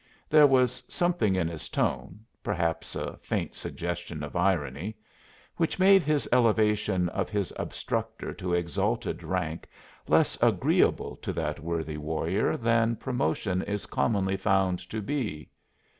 There was something in his tone perhaps a faint suggestion of irony which made his elevation of his obstructor to exalted rank less agreeable to that worthy warrior than promotion is commonly found to be.